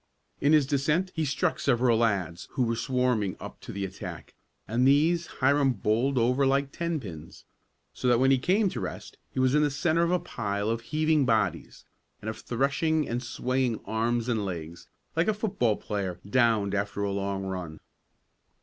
] In his descent he struck several lads who were swarming up to the attack, and these Hiram bowled over like tenpins, so that when he came to rest he was in the centre of a pile of heaving bodies, and of threshing and swaying arms and legs, like a football player downed after a long run.